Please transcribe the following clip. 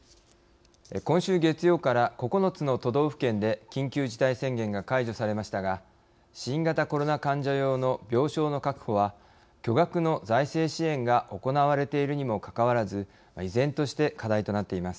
今週月曜から９つの都道府県で緊急事態宣言が解除されましたが新型コロナ患者用の病床の確保は巨額の財政支援が行われているにもかかわらず依然として課題となっています。